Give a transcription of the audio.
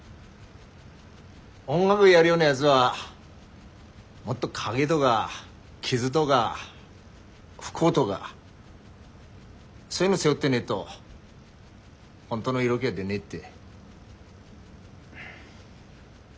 音楽やるようなやづはもっと影とか傷とか不幸とかそういうの背負ってねえと本当の色気は出ねえって。